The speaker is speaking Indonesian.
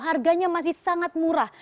harganya masih sangat murah